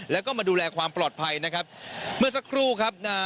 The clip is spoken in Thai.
แล้วก็มาดูแลความปลอดภัยนะครับเมื่อสักครู่ครับนะฮะ